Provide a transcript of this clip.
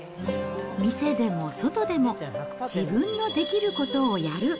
店でも外でも、自分のできることをやる。